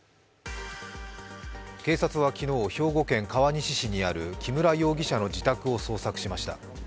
警察は昨日、兵庫県川西市にある木村容疑者の自宅を捜索しました。